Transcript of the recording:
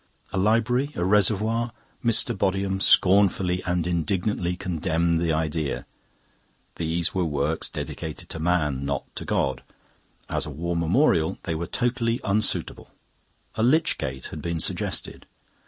A library, a reservoir? Mr. Bodiham scornfully and indignantly condemned the idea. These were works dedicated to man, not to God. As a War Memorial they were totally unsuitable. A lich gate had been suggested.